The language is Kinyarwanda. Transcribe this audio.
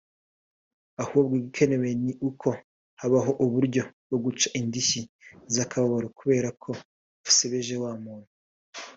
ahubwo igikenewe ni uko habaho uburyo bwo guca indishyi z’akababaro kubera ko wasebeje wa muntu